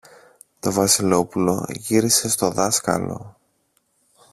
Το Βασιλόπουλο γύρισε στο δάσκαλο.